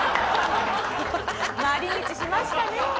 回り道しましたね。